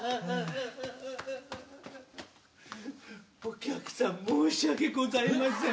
お客さん申し訳ございません。